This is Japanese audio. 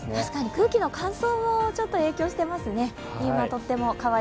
空気の乾燥も影響していますね。